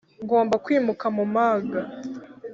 ngomba kwimuka mu manga.